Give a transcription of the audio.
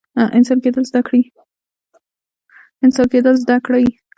انسان کیدل زده کړئ